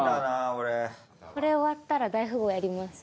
これ終わったら大富豪やります？